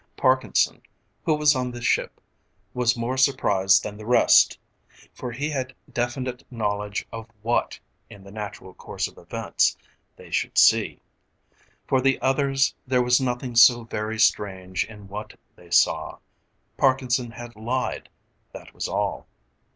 Parkinson, who was on the ship, was more surprised than the rest, for he had definite knowledge of what, in the natural course of events, they should see. For the others there was nothing so very strange in what they saw; Parkinson had lied, that was all.